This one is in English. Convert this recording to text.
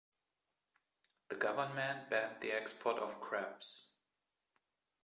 The government banned the export of crabs.